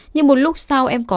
nhưng một lúc sau em có